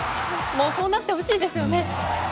もうそうなってほしいですよね。